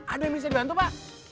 ada yang bisa dibantu pak